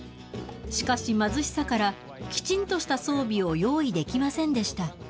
しかし、貧しさから、きちんとした装備を用意できませんでした。